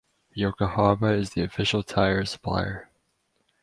Yokohama is the official tire supplier.